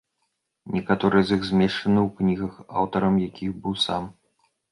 Некаторыя з іх змешчаны ў кнігах, аўтарам якіх быў сам.